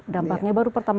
dampaknya baru pertama kali